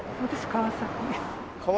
川崎。